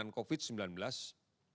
dengan penyelenggaraan covid sembilan belas